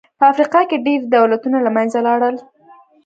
په افریقا کې ډېری دولتونه له منځه لاړل.